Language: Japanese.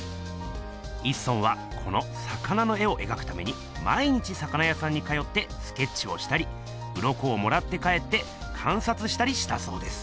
一村はこの魚の絵をえがくために毎日魚やさんに通ってスケッチをしたりウロコをもらって帰ってかんさつしたりしたそうです。